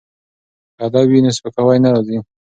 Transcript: که ادب وي نو سپکاوی نه راځي.